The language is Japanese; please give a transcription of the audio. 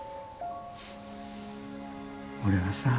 俺はさ